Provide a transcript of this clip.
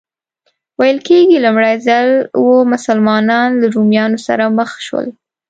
ویل کېږي لومړی ځل و مسلمانان له رومیانو سره مخ شول.